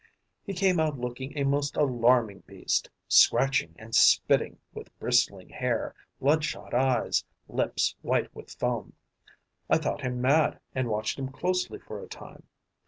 He came out looking a most alarming beast, scratching and spitting, with bristling hair, bloodshot eyes, lips white with foam. I thought him mad and watched him closely for a time.